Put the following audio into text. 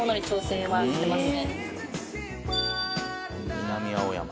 南青山。